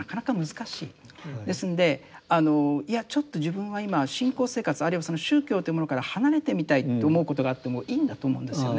ですんであのいやちょっと自分は今信仰生活あるいは宗教というものから離れてみたいと思うことがあってもいいんだと思うんですよね。